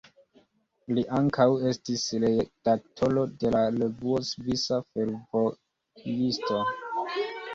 Li ankaŭ estis redaktoro de la revuo Svisa Fervojisto.